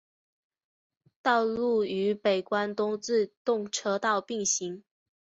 道路与北关东自动车道并行。